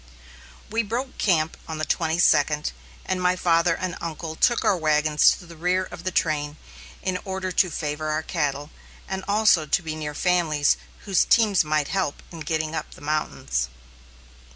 We broke camp on the twenty second, and my father and uncle took our wagons to the rear of the train in order to favor our cattle, and also to be near families whose teams might need help in getting up the mountains.